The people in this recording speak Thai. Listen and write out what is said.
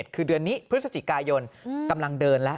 คือเดือนนี้พฤศจิกายนกำลังเดินแล้ว